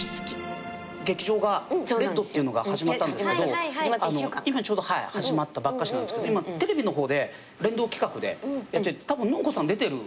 劇場が『ＲＥＤ』っていうのが始まったんですけど今ちょうど始まったばっかしなんですけど今テレビの方で連動企画でやってたぶんノン子さん出てる。